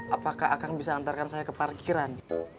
apakah akan bisa antarkan saya ke parkiran